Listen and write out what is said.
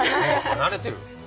離れてる。